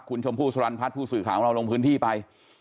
คุณชมพู่สรรพัฒน์ผู้สื่อข่าวของเราลงพื้นที่ไป